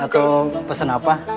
atau pesan apa